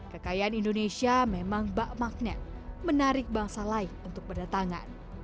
kekayaan indonesia memang bakmagnet menarik bangsa lain untuk berdatangan